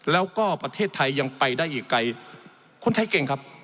แล้วก็ประเทศไทยยังไปได้อีกไกลคนไทยเก่งครับ